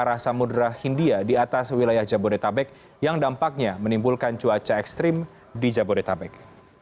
dan juga berdasarkan angin dari arah samudera hindia di atas wilayah jabodetabek yang dampaknya menimbulkan cuaca ekstrim di jabodetabek